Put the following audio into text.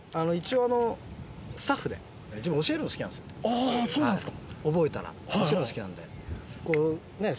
あぁそうなんですか。